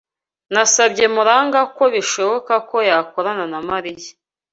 Nasabye MuragwA ko bishoboka ko yakorana na Marina.